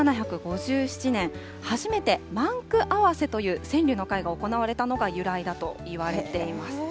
１７５７年、初めて万句合という川柳の会が行われたのが由来だといわれています。